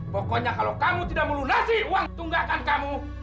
pokoknya kalau kamu tidak perlu nasi uang tunggakan kamu